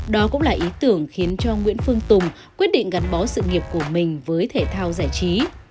đó cũng là ý tưởng khiến cho nguyễn phương tùng quyết định gắn bó sự nghiệp của mình với thể thao giải trí